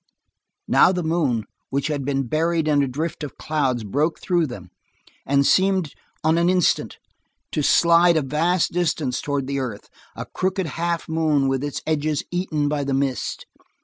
Now the moon, which had been buried in a drift of clouds, broke through them, and seemed in an instant to slide a vast distance towards the earth, a crooked half moon with its edges eaten by the mist.